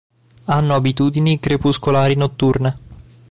Hanno abitudini crepuscolari-notturne.